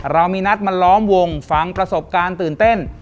เรามีนัดมาล้อมวงฟังประสบการณ์ตื่นเต้น